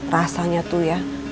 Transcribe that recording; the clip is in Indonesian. rasanya tuh ya